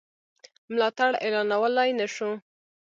ملاتړ اعلانولای نه شو.